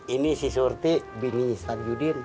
ini si surti bini stan judin